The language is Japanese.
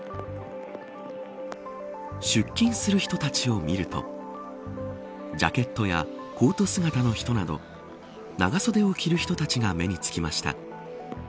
出勤する人たちを見るとジャケットやコート姿の人など長袖を着る人たちが目につきました。